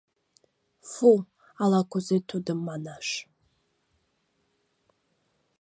Фу, ала-кузе тудым манаш.